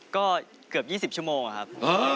ก็เกือบ๒๐ชั่วโมงครับ